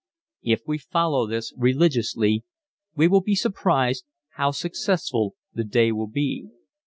If we follow this religiously we will be surprised how successful the day will be.